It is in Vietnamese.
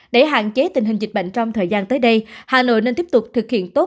để hạn chế tình hình dịch bệnh trong thời gian tới đây hà nội nên tiếp tục thực hiện tốt